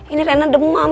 ini rena demam